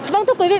vâng thưa quý vị